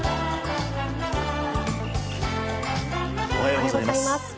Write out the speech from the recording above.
おはようございます。